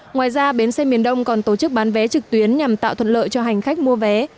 ngoài ra bến xe miền đông còn tổ chức bán vé trực tuyến nhằm tạo thuận lợi cho hành khách mua vé